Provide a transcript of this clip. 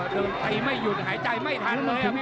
ดูอ่ะไปไม่หยุดหายใจไม่ทันเลยอ่ะพี่บ้าน